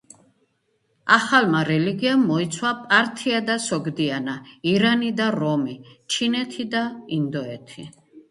ახალმა რელიგიამ მოიცვა პართია და სოგდიანა, ირანი და რომი, ჩინეთი და ინდოეთი.